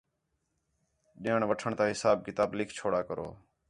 ݙیݨ وَٹھݨ تا حساب کتاب لِکھ چھوڑا کرو